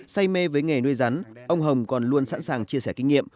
say mê với nghề nuôi rắn ông hồng còn luôn sẵn sàng chia sẻ kinh nghiệm